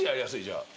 じゃあ。